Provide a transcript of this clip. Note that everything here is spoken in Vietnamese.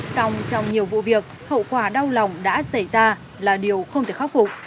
xong trong nhiều vụ việc hậu quả đau lòng đã xảy ra là điều không thể khắc phục